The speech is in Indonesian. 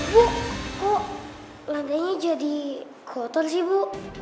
bu kok laganya jadi kotor sih bu